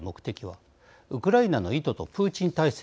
ウクライナの意図とプーチン体制の対応は。